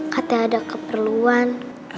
kata ada keperluan